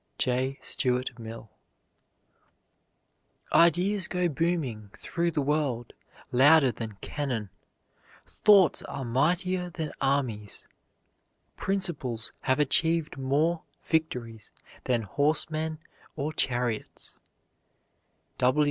J. STUART MILL. Ideas go booming through the world louder than cannon. Thoughts are mightier than armies. Principles have achieved more victories than horsemen or chariots.